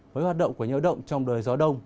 với hoạt động của nhiễu động trong đời gió đông